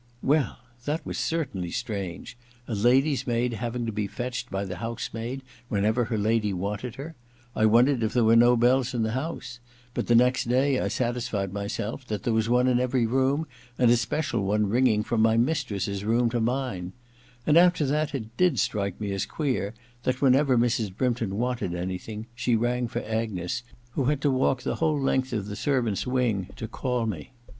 Well — ^that was certainly strange : a lady V maid having to be fetched by the house maid whenever her lady wanted her ! I wondered if there were no bells in the house ; but the next day I satisfied myself that there was one in every room, and a special one ringing from my mistress's room to mine ; and after that it did strike me as queer that, whenever Mrs. Brymp ton wanted anything, she rang for Agnes, who had to walk the whole length of the servants* wing to call me.